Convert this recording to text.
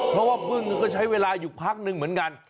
เพราะว่าบึ้งก็ใช้เวลาอยู่พักนึงเหมือนกัน